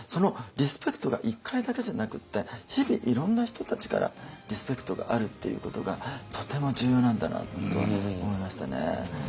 リスペクトが１回だけじゃなくって日々いろんな人たちからリスペクトがあるっていうことがとても重要なんだなと思いましたね。